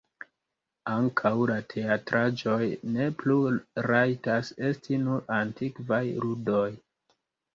Ankaŭ la teatraĵoj ne plu rajtas esti nur antikvaj ludoj.